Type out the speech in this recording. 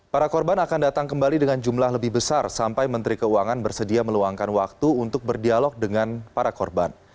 para korban akan datang kembali dengan jumlah lebih besar sampai menteri keuangan bersedia meluangkan waktu untuk berdialog dengan para korban